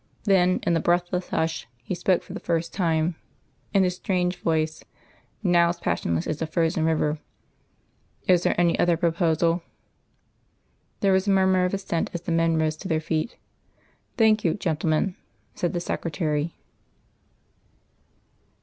Then, in the breathless hush, he spoke for the first time in his strange voice, now as passionless as a frozen river. "Is there any other proposal?" There was a murmur of assent as the men rose to their feet. "Thank you, gentlemen," said the secretary.